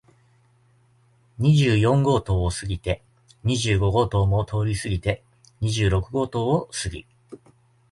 二十四号棟を過ぎて、二十五号棟も通り過ぎて、二十六号棟を過ぎ、